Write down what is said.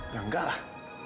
ya enggak lah